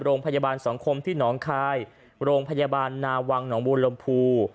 โรงพยาบาลสังคมที่หนองคายโรงพยาบาลนาวังหนองบูรลำพู